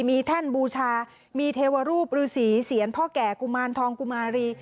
มีแท่นบูชามีเทวรูปฤษีเสียรพ่อแก่กุมารทองกุมารี